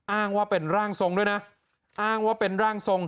อ้างว่าเป็นร่างสงฆ์ด้วยนะ